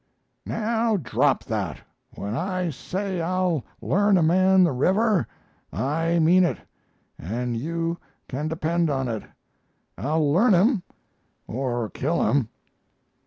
"Now drop that! When I say I'll learn a man the river I mean it. And you can depend on it, I'll learn him or kill him."